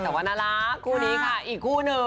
แต่ว่าน่ารักคู่นี้ค่ะอีกคู่หนึ่ง